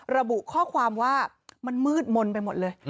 ระบุข้อความว่ามันมืดมนต์ไปหมดเลย